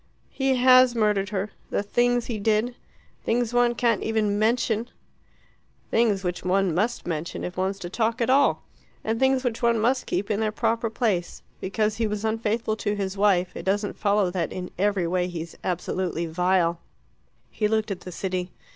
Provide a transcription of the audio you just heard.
"He has murdered her. The things he did things one can't even mention " "Things which one must mention if one's to talk at all. And things which one must keep in their proper place. Because he was unfaithful to his wife, it doesn't follow that in every way he's absolutely vile." He looked at the city.